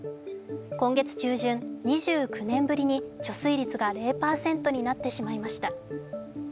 今月中旬、２９年ぶりに貯水率が０％になってしまいました。